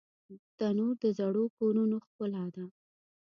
تنور د زړو کورونو ښکلا ده